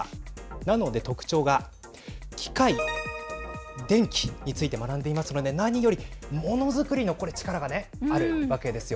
なので特徴が、機械、電気について学んでいますので、何よりものづくりの力があるわけですよ。